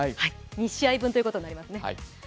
２試合分ということになりますね。